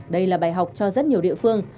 đây là bài học cho rất nhiều địa phương